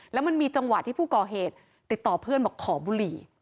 แล้วมันมีจังหวะที่ผู้ก่อเหตุติดต่อเพื่อนบอกขอบุหรี่